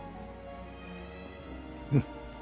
うん。